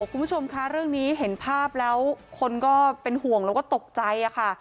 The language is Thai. คุณผู้ชมคะเรื่องนี้เห็นภาพแล้วคนก็เป็นห่วงแล้วก็ตกใจค่ะ